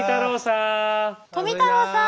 富太郎さん。